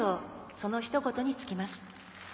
そのひと言に尽きます。